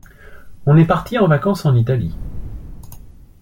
On est parti en vacances en Italie.